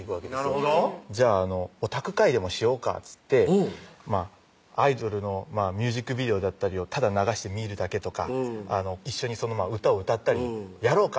なるほど「じゃあオタク会でもしようか」っつって「アイドルのミュージックビデオだったりをただ流して見るだけとか一緒に歌を歌ったりやろうか？」